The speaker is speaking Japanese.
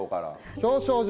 表彰状。